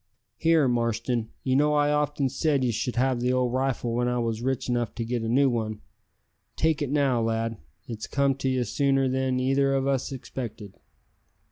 "Here, Marston, you know I often said ye should have the old rifle when I was rich enough to get a new one. Take it now, lad. It's come to ye sooner than either o' us expected."